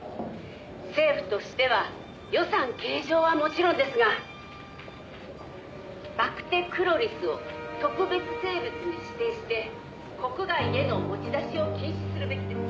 「政府としては予算計上はもちろんですがバクテクロリスを特別生物に指定して国外への持ち出しを禁止するべきです」